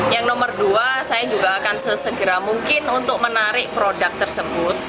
yang nomor dua saya juga akan sesegera mungkin untuk menarik produk tersebut